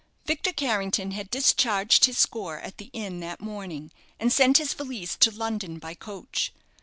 Victor Carrington had discharged his score at the inn that morning, and sent his valise to London by coach.